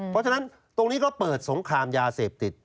เพราะฉะนั้นตรงนี้ก็เปิดสงครามยาเสพติด